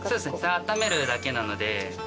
あっためるだけなので。